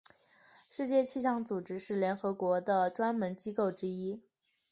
世界气象组织是联合国的专门机构之一。